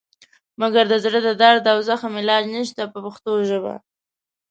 مګر د زړه د درد او زخم علاج نشته په پښتو ژبه.